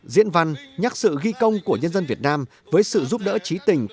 diễn văn nhắc sự ghi công của nhân dân việt nam với sự giúp đỡ trí tình